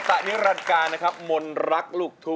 นักสู้ชีวิตแต่ละคนก็ฝ่าฟันและสู้กับเพลงนี้มากก็หลายรอบ